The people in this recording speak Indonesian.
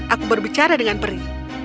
aku berbicara dengan peri